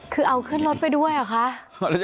คือเอาขึ้นรถไปด้วยเหรอคะ